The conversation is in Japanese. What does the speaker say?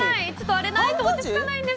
あれがないと落ち着かないんです。